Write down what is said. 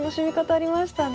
ありましたね。